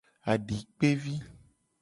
Adikpevi.